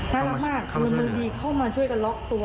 น่ารักมากพลเมืองดีเข้ามาช่วยกันล็อกตัว